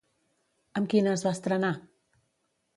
Amb quina es va estrenar?